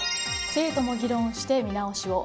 生徒も議論して見直しを。